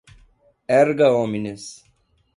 erga omnes